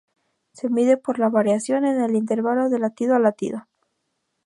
Se mide por la variación en el intervalo de latido a latido.